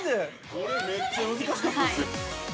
◆これ、めっちゃ難しかったですよ。